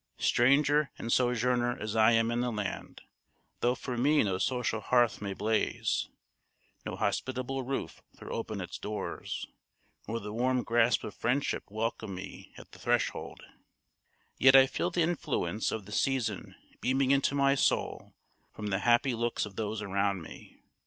Stranger and sojourner as I am in the land though for me no social hearth may blaze, no hospitable roof throw open its doors, nor the warm grasp of friendship welcome me at the threshold yet I feel the influence of the season beaming into my soul from the happy looks of those around me.